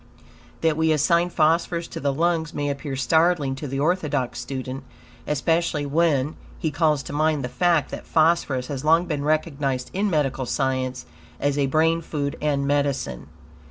That we assign phosphorus to the lungs may appear startling to the orthodox student, especially when, he calls to mind the fact that phosphorus has long been recognized in medical science as a brain food and medicine.